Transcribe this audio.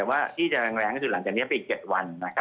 แต่ว่าที่จะแรงก็คือหลังจากนี้ไปอีก๗วันนะครับ